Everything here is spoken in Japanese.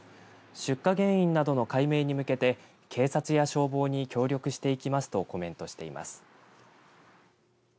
出火原因などの解明に向けて警察や消防に協力していきますとコメントしています。